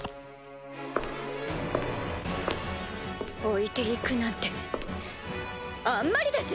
置いて行くなんてあんまりです！